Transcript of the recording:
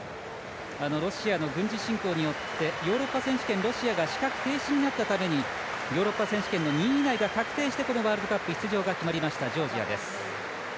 ロシアの軍事侵攻によってヨーロッパ選手権ロシアが資格停止になったためにヨーロッパ選手権の２位以内が確定してワールドカップ出場が決まりました、ジョージアです。